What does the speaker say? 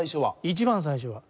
一番最初は。